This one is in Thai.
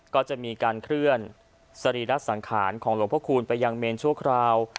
ก็จะมีการเคลื่อนสรีระสังขารของหลวงพระคูณไปยังเมนชั่วคราว